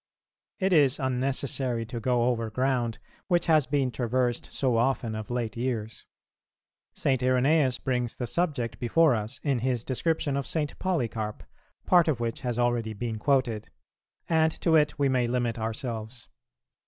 It is unnecessary to go over ground which has been traversed so often of late years. St. Irenæus brings the subject before us in his description of St. Polycarp, part of which has already been quoted; and to it we may limit ourselves.